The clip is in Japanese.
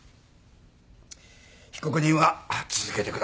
被告人は続けてください。